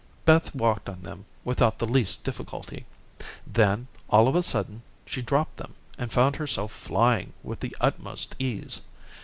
Beth walked on them without the least difficulty; then, all of a sudden, she dropped them, and found herself flying with the utmost ease.